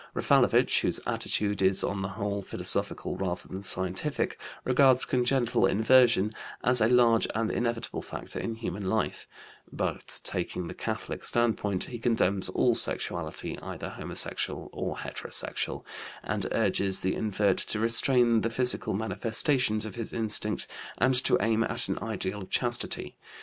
Raffalovich, whose attitude is, on the whole, philosophical rather than scientific, regards congenital inversion as a large and inevitable factor in human life, but, taking the Catholic standpoint, he condemns all sexuality, either heterosexual or homosexual, and urges the invert to restrain the physical manifestations of his instinct and to aim at an ideal of chastity.